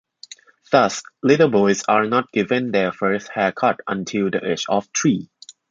Thus little boys are not given their first haircut until the age of three.